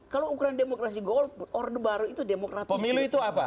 kalau ukuran demokrasi golput orde baru itu demokratis